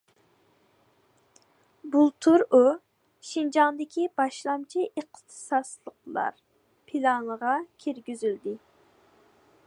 بۇلتۇر ئۇ« شىنجاڭدىكى باشلامچى ئىختىساسلىقلار» پىلانىغا كىرگۈزۈلدى.